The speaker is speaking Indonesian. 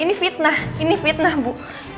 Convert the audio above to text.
ini fitnah ini fitnah bu